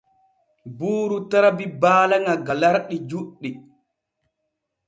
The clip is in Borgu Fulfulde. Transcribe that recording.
Buuru tarbi baala ŋa galarɗi juɗɗi.